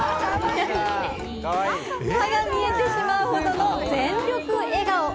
歯が見えてしまうほどの全力笑顔！